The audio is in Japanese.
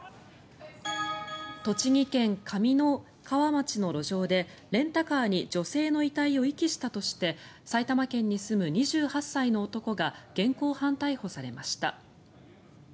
栃木県上三川町の路上でレンタカーに女性の遺体を遺棄したとして埼玉県に住む２８歳の男が現行犯逮捕されました。